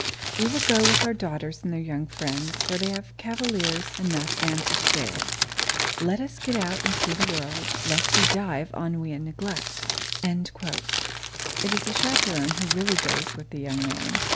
We will go with our daughters and their young friends, for they have cavaliers enough and to spare. Let us get out and see the world, lest we die of ennui and neglect!" It is the chaperone who really goes with the young man.